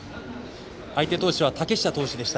相手投手は竹下投手でした。